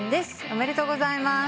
ありがとうございます。